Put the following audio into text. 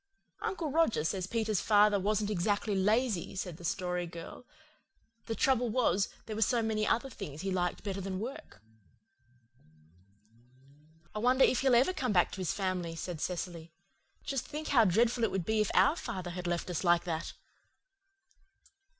"Uncle Roger says Peter's father wasn't exactly lazy," said the Story Girl. "The trouble was, there were so many other things he liked better than work." "I wonder if he'll ever come back to his family," said Cecily. "Just think how dreadful it would be if OUR father had left us like that!"